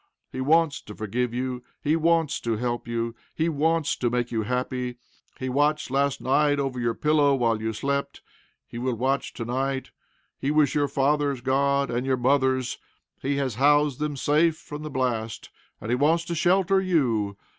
He wants to forgive you. He wants to help you. He wants to make you happy. He watched last night over your pillow while you slept. He will watch to night. He was your father's God, and your mother's. He has housed them safe from the blast, and he wants to shelter you.